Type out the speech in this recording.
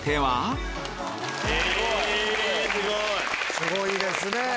すごいですね。